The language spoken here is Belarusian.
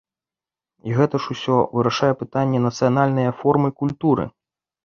І гэта ж усё вырашае пытанне нацыянальнае формы культуры.